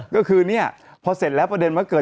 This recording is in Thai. ก็คือพอเสร็จแล้วประเด็นเมืองเกิด